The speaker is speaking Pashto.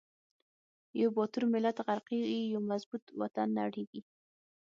یو با تور ملت غر قیږی، یو مظبو ط وطن نړیزی